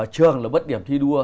trường là mất điểm thi đua